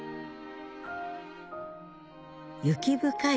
雪深い